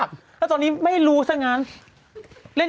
เดี๋ยวเขาก็คงจะไปเกี่ยวของเขาก็แหละ